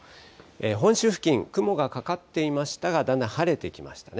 本州付近、雲がかかっていましたが、だんだん晴れてきましたね。